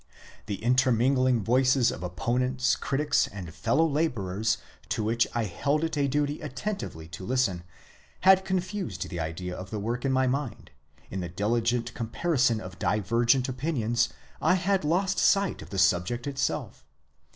The intermingling voices of opponents, critics, and fellow labourers, to which I held it a duty attentively to listen, had confused the idea of the work in my mind; in the diligent comparison of divergent opinions I had lost sight of the subject itself.